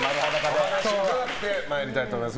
お話伺ってまいりたいと思います。